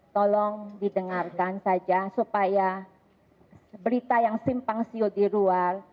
tolong didengarkan saja supaya berita yang simpang siur di luar